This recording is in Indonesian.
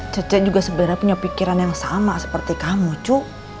cece juga sebenarnya punya pikiran yang sama seperti kamu cu